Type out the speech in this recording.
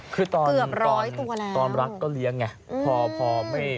เกือบร้อยตัวแล้วคือตอนรักก็เลี้ยงไง